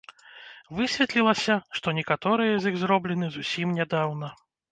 Высветлілася, што некаторыя з іх зроблены зусім нядаўна.